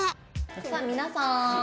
「さあ皆さん！